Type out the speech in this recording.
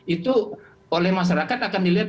itu oleh masyarakat akan dilihat